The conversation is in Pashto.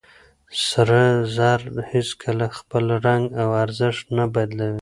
سره زر هيڅکله خپل رنګ او ارزښت نه بدلوي.